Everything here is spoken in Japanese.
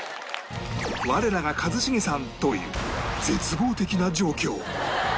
我らが一茂さんという絶望的な状況